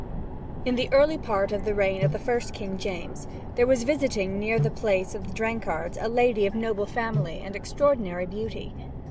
In the early part of the reign of the first King James, there was visiting near this place of the Drenghards a lady of noble family and extraordinary beauty.